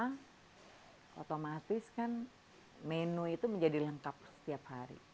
pulang semua otomatis menu itu menjadi lengkap setiap hari